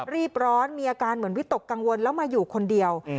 รีบร้อนมีอาการเหมือนวิตกกังวลแล้วมาอยู่คนเดียว